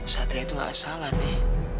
satria itu gak salah nih